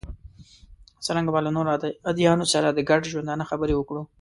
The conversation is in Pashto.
څرنګه به له نورو ادیانو سره د ګډ ژوندانه خبرې وکړو.